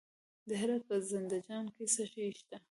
د هرات په زنده جان کې څه شی شته؟